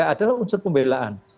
itu adalah unsur pembelaan